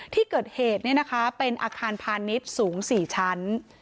ที่เกิดเหตุเป็นอาคารพาณิชย์สูง๔ชั้น